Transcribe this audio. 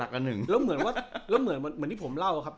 แล้วเหมือนว่าเหมือนกด